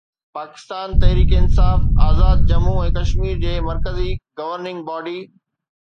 پاڪستان تحريڪ انصاف آزاد ڄمون ۽ ڪشمير جي مرڪزي governing body